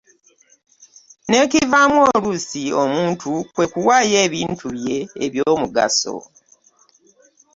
N'ekivaamu oluusi omuntu kwe kuwaayo ebintu bye eby'omugaso.